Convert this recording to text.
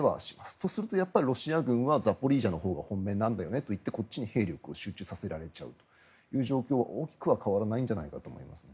とすると、ロシア軍はザポリージャのほうが本命なんだよねと言ってこっちに兵力を集中させられちゃう状況が大きくは変わらないんじゃないかと思います。